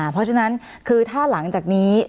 เพราะฉะนั้นคือถ้าหลังจากนี้